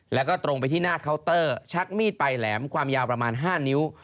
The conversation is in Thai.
แล้วก็ตรงไปที่หน้าเคาน์เตอร์ชักมีดปลายแหลมความยาวประมาณ๕นิ้ว